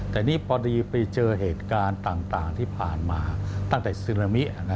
แต่นี่พอดีไปเจอเหตุการณ์ต่างที่ผ่านมาตั้งแต่ซึนามิ